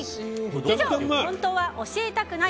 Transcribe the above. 以上、本当は教えたくない！